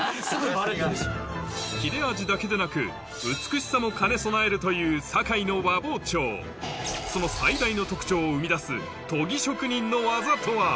切れ味だけでなく美しさも兼ね備えるという堺の和包丁その最大の特徴を生み出す